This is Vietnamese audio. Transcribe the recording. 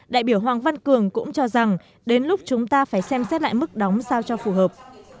đại biểu hoàng văn cường cũng cho rằng đến lúc chúng ta phải xem xét lại mức đóng sao cho phù hợp